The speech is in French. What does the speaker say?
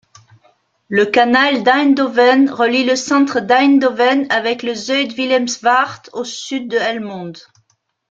Le Canal d'Eindhoven relie le centre d'Eindhoven avec le Zuid-Willemsvaart au sud de Helmond.